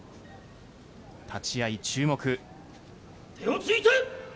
立ち合い、注目。